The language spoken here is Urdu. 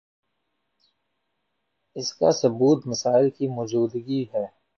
اسکا ثبوت مسائل کی موجودگی ہے